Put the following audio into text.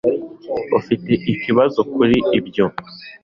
ufite ikibazo kuri ibyo